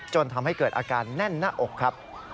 จนทำให้เกิดอาการแน่นหน้าอกครับ